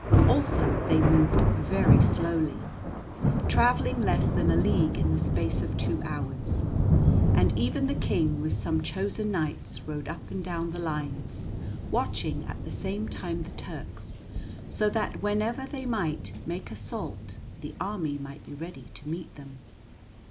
Also they moved very slowly, travelling less than a league in the space of two hours. And even the King with some chosen knights rode up and down the lines, watching at the same time the Turks, so that whenever they might make assault the army might be ready to meet them.